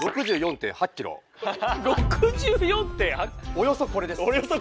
およそこれです。